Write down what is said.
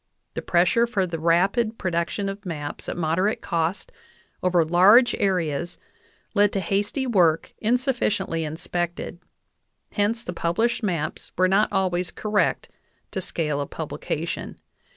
The pressure for the rapid production of maps at mod erate cost over large areas led to hasty work insufficiently in spected ; hence the published maps were not always correct to scale of publication.